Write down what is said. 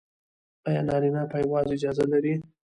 ایا نارینه پایواز اجازه لري؟